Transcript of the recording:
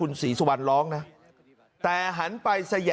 คุณสิริกัญญาบอกว่า๖๔เสียง